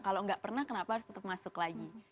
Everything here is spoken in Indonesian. kalau enggak pernah kenapa harus tetep masuk lagi